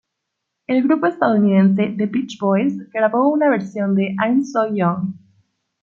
El grupo estadounidense The Beach Boys grabó una versión de "I'm So Young".